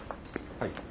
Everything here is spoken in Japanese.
はい。